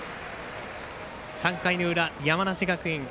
３回の裏、山梨学院